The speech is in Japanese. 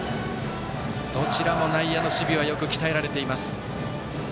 どちらも内野の守備はよく鍛えられています。